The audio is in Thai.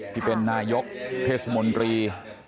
ที่เป็นนายกเทศมนตรี